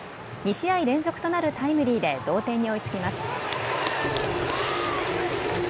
２試合連続となるタイムリーで同点に追いつきます。